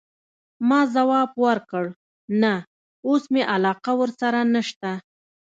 ما ځواب ورکړ: نه، اوس مي علاقه ورسره نشته.